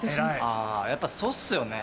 あやっぱそうっすよね。